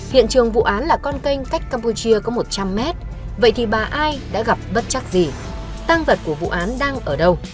hiện trường vụ án là con canh cách campuchia có một trăm linh mét vậy thì bà ai đã gặp bất chắc gì tăng vật của vụ án đang ở đâu